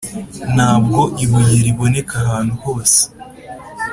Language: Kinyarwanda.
ntabwo ibuye riboneka ahantu hose.